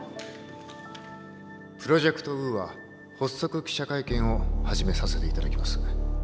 プロジェクト・ウーア発足記者会見を始めさせていただきます。